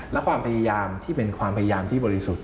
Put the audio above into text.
และความพยายามที่เป็นความพยายามที่บริสุทธิ์